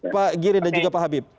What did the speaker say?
pak giri dan juga pak habib